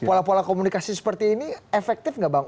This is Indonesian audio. pola pola komunikasi seperti ini efektif nggak bang